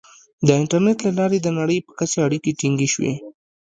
• د انټرنیټ له لارې د نړۍ په کچه اړیکې ټینګې شوې.